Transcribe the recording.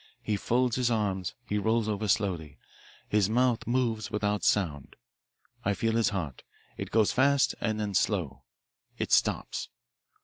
He folds his arms. He rolls over slowly. His mouth moves without sound. I feel his heart. It goes fast and then slow. It stops.